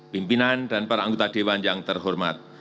pimpinan dan para anggota dewan yang terhormat